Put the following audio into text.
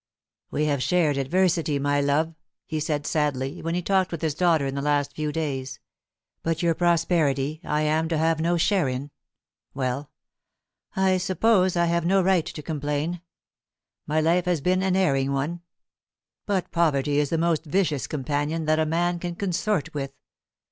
"We have shared adversity, my love," he said sadly, when he talked with his daughter in the last few days; "but your prosperity I am to have no share in. Well, I suppose I have no right to complain. My life has been an erring one; but poverty is the most vicious companion that a man can consort with.